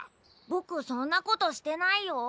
ボクそんなことしてないよ。